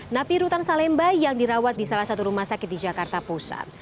napi rutan salemba yang dirawat di salah satu rumah sakit di jakarta pusat